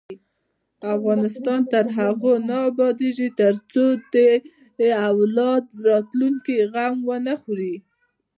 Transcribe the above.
افغانستان تر هغو نه ابادیږي، ترڅو د اولاد د راتلونکي غم ونه خورئ.